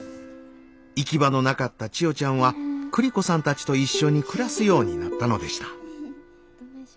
行き場のなかった千代ちゃんは栗子さんたちと一緒に暮らすようになったのでした。